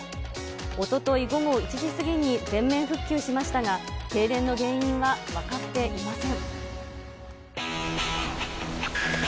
おととい午後１時過ぎに全面復旧しましたが、停電の原因は分かっていません。